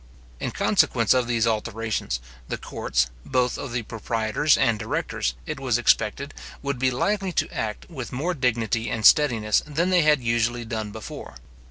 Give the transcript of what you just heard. In consequence of these alterations, the courts, both of the proprietors and directors, it was expected, would be likely to act with more dignity and steadiness than they had usually done before.